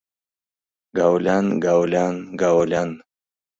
Гаолян, гаолян, гаолян...